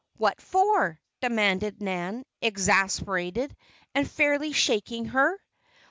"What for?" demanded Nan, exasperated, and fairly shaking her.